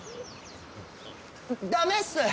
ダメっす！